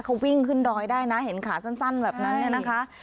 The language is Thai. เขาวิ่งขึ้นดอยได้นะเห็นขาสั้นแบบนั้นเนี่ยนะคะ